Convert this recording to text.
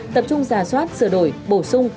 tập trung giả soát sửa đổi bổ sung